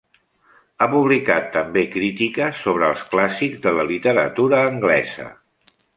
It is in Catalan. Ha publicat també crítiques sobre els clàssics de la literatura anglesa.